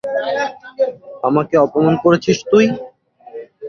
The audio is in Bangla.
আমাকে অপমান করেছিস তুই?